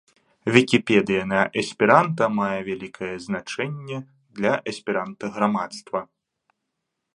Вікіпедыя на эсперанта мае вялікае значэнне для эсперанта-грамадства.